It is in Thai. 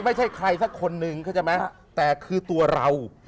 ไม่ใช่ใครสักคนนึงแต่คือตัวเรา